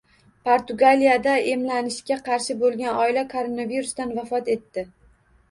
Portugaliyada emlanishga qarshi bo‘lgan oila koronavirusdan vafot etdi